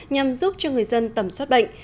nhằm giúp cho người dân tầm soát bệnh